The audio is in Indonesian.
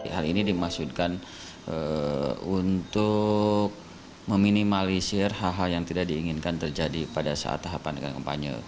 hal ini dimaksudkan untuk meminimalisir hal hal yang tidak diinginkan terjadi pada saat tahapan kampanye